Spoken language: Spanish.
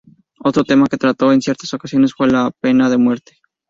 Otro tema que trató en ciertas ocasiones fue la pena de muerte.